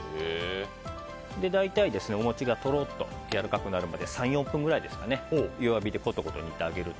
大体お餅がやわらかくなるまで３４分くらい弱火でことこと煮てあげると。